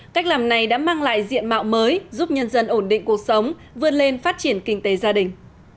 cách làm này đã mang lại diện mạo mới giúp nhân dân ổn định cuộc sống vươn lên phát triển kinh tế gia đình